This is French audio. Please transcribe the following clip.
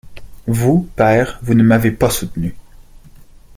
Vous, père, vous ne m’avez pas soutenue.